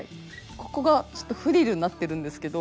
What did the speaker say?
ここがちょっとフリルになってるんですけど。